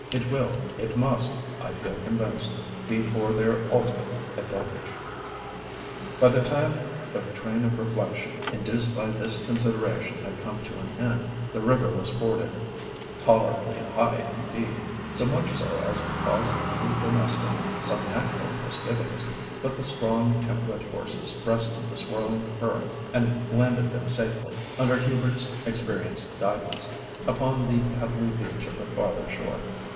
It will, it must, I feel convinced, be for their ultimate advantage." By the time the train of reflection induced by this consideration had come to an end, the river was forded—tolerably high indeed; so much so as to cause the new domestic some natural misgivings, but the strong, temperate horses breasted the swirling current, and landed them safely, under Hubert's experienced guidance, upon the pebbly beach of the farther shore.